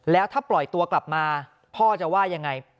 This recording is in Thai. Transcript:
แล้วถ้าปล่อยตัวกลับมาพ่อจะว่ายังไง